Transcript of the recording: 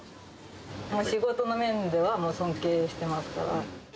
もう仕事の面では、もう尊敬してますから。